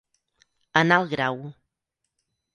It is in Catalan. En alt grau.